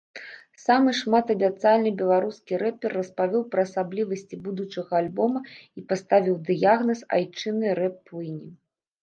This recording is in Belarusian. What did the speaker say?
Самы шматабяцальны беларускі рэпер распавёў пра асаблівасці будучага альбома і паставіў дыягназ айчыннай рэп-плыні.